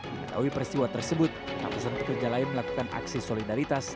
mengetahui peristiwa tersebut ratusan pekerja lain melakukan aksi solidaritas